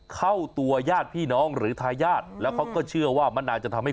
เข้าตัวญาติพี่น้องหรือทายาทแล้วเขาก็เชื่อว่ามันน่าจะทำให้